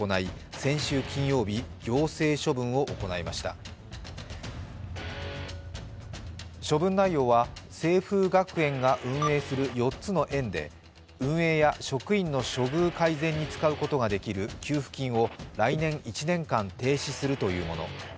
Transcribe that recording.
先週金曜日、行政処分を行いました処分内容は、清風学園が運営する４つの園で、運営や職員の処遇改善に使うことができる給付金を来年１年間停止するというもの。